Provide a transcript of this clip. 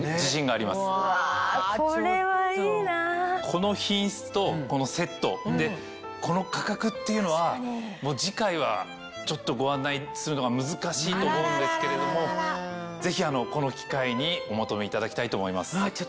この品質とこのセットでこの価格っていうのは次回はちょっとご案内するのが難しいと思うんですけれどもぜひこの機会にお求めいただきたいと思います。